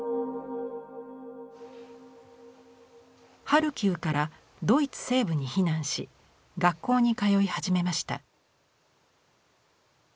ハルキウからドイツ西部に避難し学校に通い始めました。